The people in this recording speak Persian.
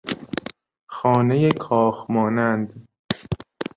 خانهی کاخ مانند